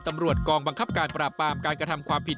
ตำรวจกองบังคับการปราบปรามการกระทำความผิด